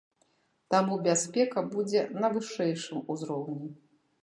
Таму бяспека будзе на вышэйшым узроўні.